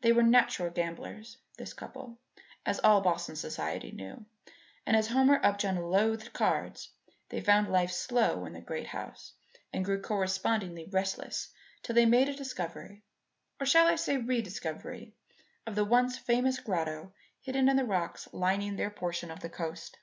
They were natural gamblers this couple as all Boston society knew; and as Homer Upjohn loathed cards, they found life slow in the great house and grew correspondingly restless till they made a discovery or shall I say a rediscovery of the once famous grotto hidden in the rocks lining their portion of the coast.